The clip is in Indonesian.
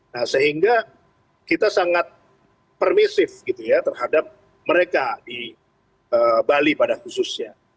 nah sehingga kita sangat permisif gitu ya terhadap mereka di bali pada khususnya